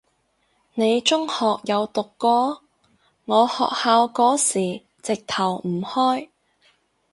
你中學有讀過？我學校嗰時直頭唔開